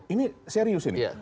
ini serius ini